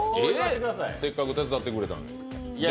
せっかく手伝ってくれたのに。